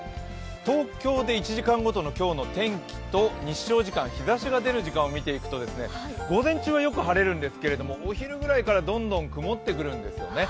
東京で１時間ごとの今日の天気と日照時間、日ざしが出る時間を見ていくと午前中はよく晴れるんですがお昼ぐらいからどんどん曇ってくるんですよね。